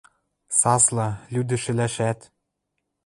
Сасла, лӱдӹш ӹлӓшӓт.